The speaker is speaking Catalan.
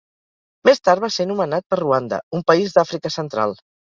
Més tard va ser nomenat per Ruanda, un país d'Àfrica Central.